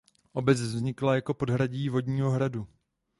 Obec vznikla jako podhradí vodního hradu.